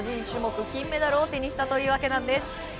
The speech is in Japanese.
種目金メダルを手にしたというわけなんです。